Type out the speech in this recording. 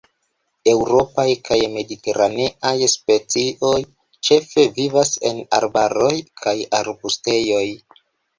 Eŭropaj kaj mediteraneaj specioj ĉefe vivas en arbaroj kaj arbustejoj.